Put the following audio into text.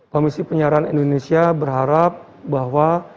komisi penyiaran indonesia berharap bahwa